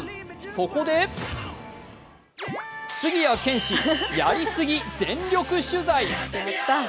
そこで杉谷拳士、やりスギ全力取材！